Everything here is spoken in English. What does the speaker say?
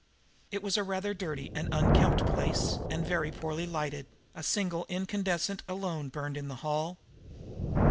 It was a rather dirty and unkempt place, and very poorly lighted a single incandescent alone burned in the hall.